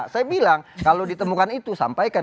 saya bilang kalau ditemukan itu sampaikan